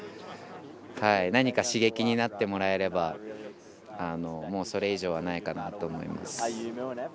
何か刺激になってもらえればそれ以上はないかなと思います。